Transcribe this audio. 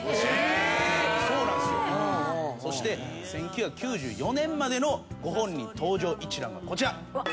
そして１９９４年までのご本人登場一覧がこちら。